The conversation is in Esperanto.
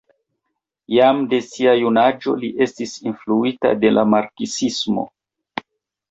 Jam de sia junaĝo li estis influita de la marksismo.